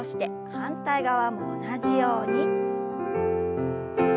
反対側も同じように。